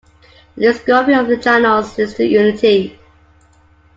The discovery of the channels leads to Unity.